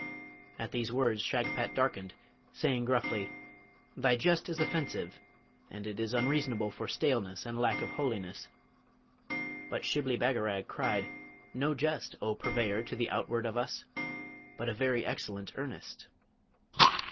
At these words Shagpat darkened, saying gruffly, 'Thy jest is offensive, and it is unseasonable for staleness and lack of holiness.' But Shibli Bagarag cried, 'No jest, O purveyor to the outward of us! but a very excellent earnest.'